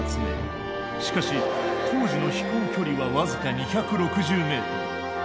しかし当時の飛行距離は僅か２６０ｍ。